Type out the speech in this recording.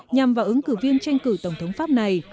nhằm vào ứng cử viên tranh cử tổng thống pháp này